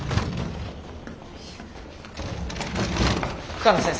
深野先生。